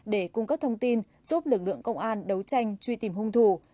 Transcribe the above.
để cung cấp thông tin giúp lực lượng công an đấu tranh truy tìm hung thủ